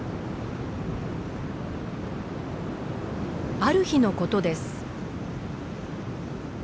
ある日のことです。